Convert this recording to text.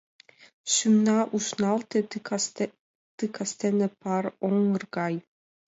Шӱмна ушналте ты кастене пар оҥгыр гай.